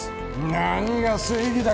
何が正義だ